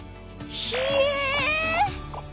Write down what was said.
ひえ。